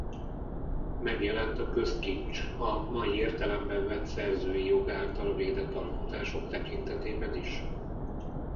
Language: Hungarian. Megjelent a közkincs a mai értelemben vett szerzői jog által védett alkotások tekintetében is.